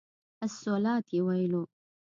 الصلواة یې ویلو.